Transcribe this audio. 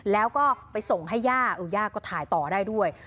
แล้วก็ไปส่งให้ย่าย่าก็ถ่ายต่อได้ด้วย